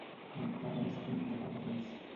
Encara no s’ha concretat res.